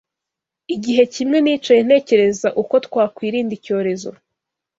Igihe kimwe nicaye ntekereza uko twakwirinda icyorezo.